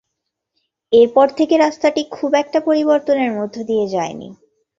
এরপর থেকে রাস্তাটি খুব একটা পরিবর্তনের মধ্য দিয়ে যায়নি।